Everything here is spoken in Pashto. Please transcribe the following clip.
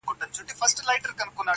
o کلي چوپتيا کي ژوند کوي,